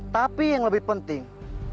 tapi yang lebih penting